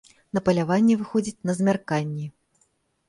На паляванне выходзіць на змярканні.